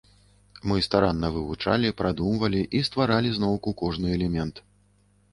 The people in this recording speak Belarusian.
Мы старанна вывучалі, прадумвалі і стваралі зноўку кожны элемент.